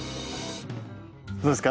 どうですか？